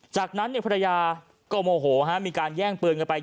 จากนั้นภรรยาก็โมโหมีการแย่งปืนกันไป